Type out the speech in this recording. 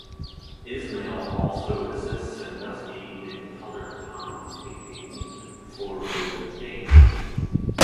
Ismail also assists Sandusky in color commentating for Ravens games.